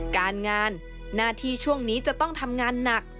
การงานหน้าที่ช่วงนี้จะต้องทำงานหนัก